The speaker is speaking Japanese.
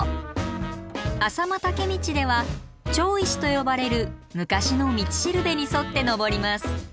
朝熊岳道では町石と呼ばれる昔の道しるべに沿って登ります。